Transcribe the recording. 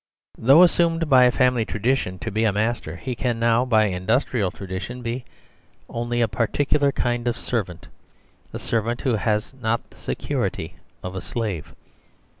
Though assumed by family tradition to be a master, he can now, by industrial tradition, only be a particular kind of servant; a servant who has not the security of a slave.